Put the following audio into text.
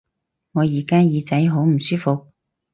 我而家耳仔好唔舒服